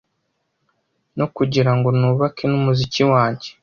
no kugira ngo nubake n’umuziki wanjye